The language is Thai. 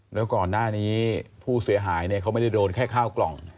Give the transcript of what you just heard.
แล้วก่อนหน้านี้ผู้เสียหายเขาไม่ได้โดนแค่ข้าวกล่อง